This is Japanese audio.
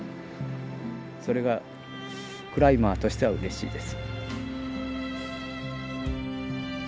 それがクライマーとしてはうれしいです。